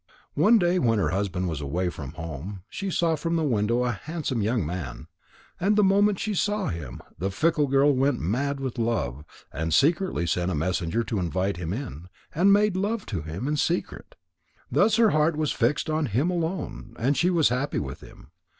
One day when her husband was away from home, she saw from the window a handsome young man. And the moment she saw him, the fickle girl went mad with love, and secretly sent a messenger to invite him in, and made love to him in secret. Thus her heart was fixed on him alone, and she was happy with him.